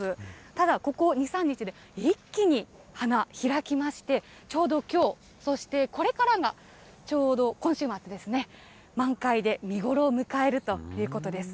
ただ、ここ２、３日で、一気に花、開きまして、ちょうどきょう、そしてこれからがちょうど今週末ですね、満開で、見頃を迎えるということです。